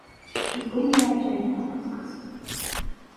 - իսկույն լրացրեց նա խոսքս: